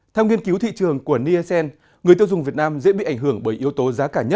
theo nghiên cứu thị trường của nielsen người tiêu dùng việt nam dễ bị ảnh hưởng bởi yếu tố giá cả nhất